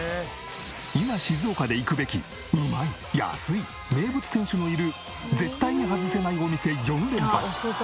今静岡で行くべきうまい安い名物店主のいる絶対にハズせないお店４連発！